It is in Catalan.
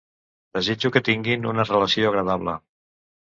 Desitjo que tinguin una relació agradable.